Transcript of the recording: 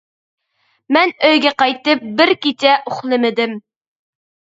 مەن ئۆيگە قايتىپ بىر كېچە ئۇخلىمىدىم.